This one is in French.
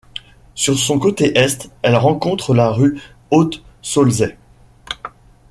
Sur son côté est, elle rencontre la rue Haute-Saulzaie.